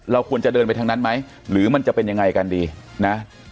ควรจะเดินไปทางนั้นไหมหรือมันจะเป็นยังไงกันดีนะ